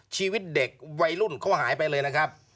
ชีวิตเด็กวัยรุ่นเขาหายไปเลยนะครับ